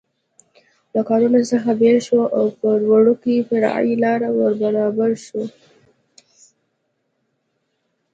له کاروان څخه بېل شو او پر وړوکې فرعي لار ور برابر شو.